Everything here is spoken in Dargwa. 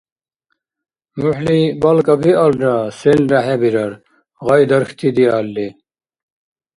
МухӀли балкӀа биалра, селра хӀебирар, гъай дархьти диалли.